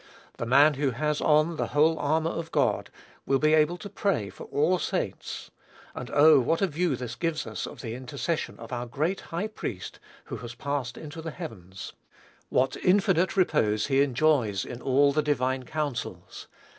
The man who has on "the whole armor of God," will be able to pray for all "saints." And, oh! what a view this gives us of the intercession of our Great High priest, who has passed into the heavens! "What infinite repose he enjoys in all the divine counsels!"